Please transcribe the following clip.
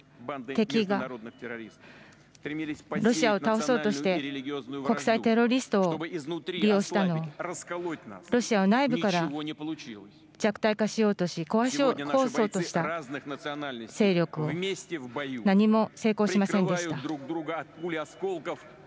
敵がロシアを倒そうとして国際テロリストを利用したのを、ロシアを内部から弱体化しようとし、壊そうとした勢力を、何も成功しませんでした。